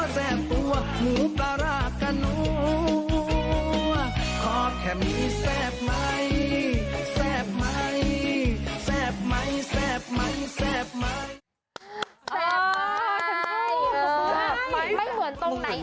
แซ่บไหมโอ้คุณผู้ชมไม่เหมือนตรงนี้